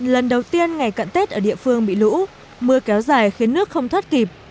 lần đầu tiên ngày cận tết ở địa phương bị lũ mưa kéo dài khiến nước không thoát kịp